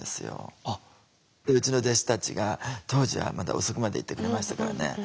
うちの弟子たちが当時はまだ遅くまでいてくれましたからね。